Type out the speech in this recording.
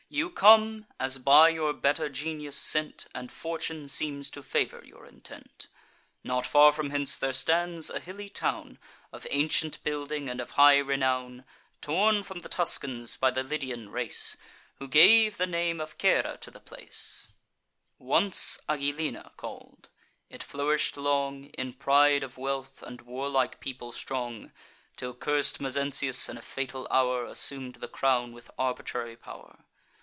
You come, as by your better genius sent, And fortune seems to favour your intent. Not far from hence there stands a hilly town, Of ancient building, and of high renown, Torn from the Tuscans by the Lydian race, Who gave the name of Caere to the place, Once Agyllina call'd. It flourish'd long, In pride of wealth and warlike people strong, Till curs'd Mezentius, in a fatal hour, Assum'd the crown, with arbitrary pow'r.